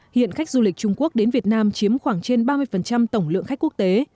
hiện khách du lịch trung quốc đến việt nam chiếm khoảng trên ba mươi tổng lượng khách quốc tế